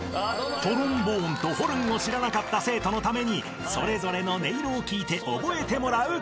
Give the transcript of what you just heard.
［トロンボーンとホルンを知らなかった生徒のためにそれぞれの音色を聞いて覚えてもらうことに］